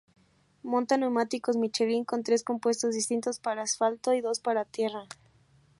Monta neumáticos Michelin con tres compuestos distintos para asfalto y dos para tierra.